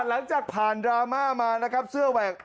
หลังจากผ่านดราม่ามานะครับ